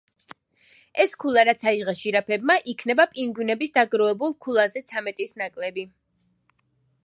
ეს ქულა რაც აიღეს ჟირაფებმა იქნება პინგვინების დაგროვებულ ქულაზე ცამეტით ნაკლები.